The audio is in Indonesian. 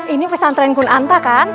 ini pesantren kun anta kan